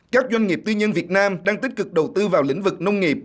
các doanh nghiệp tư nhân việt nam đang tích cực đầu tư vào lĩnh vực nông nghiệp